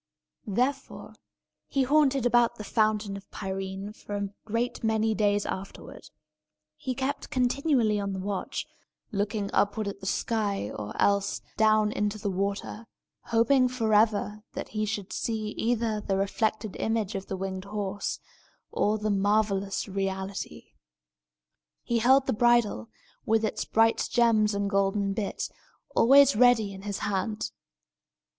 Therefore, he haunted about the Fountain of Pirene for a great many days afterward. He kept continually on the watch, looking upward at the sky, or else down into the water, hoping forever that he should see either the reflected image of the winged horse, or the marvellous reality. He held the bridle, with its bright gems and golden bit, always ready in his hand.